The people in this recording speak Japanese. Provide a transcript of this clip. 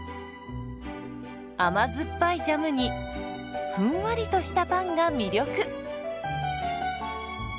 甘酸っぱいジャムにふんわりとしたパンが魅力。